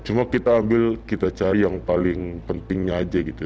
cuma kita ambil kita cari yang paling pentingnya aja gitu